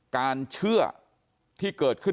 การเชื่อที่เกิดขึ้น